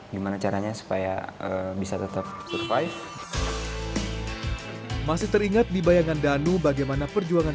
gimana caranya supaya bisa tetap survive masih teringat di bayangan danu bagaimana perjuangan